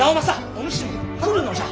お主も来るのじゃ。